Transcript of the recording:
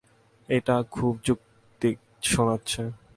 এটা খুব যৌক্তিক শোনাচ্ছে।